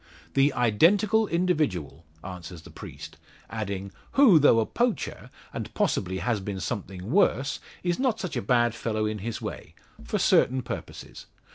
"The identical individual," answers the priest, adding, "who, though a poacher, and possibly has been something worse, is not such a bad fellow in his way for certain purposes.